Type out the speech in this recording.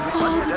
apaan tuh pak